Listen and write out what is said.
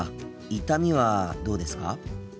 痛みはどうですか？